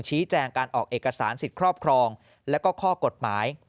ชี้แจงการออกเอกสารสิทธิ์ครอบครองและก็ข้อกฎหมาย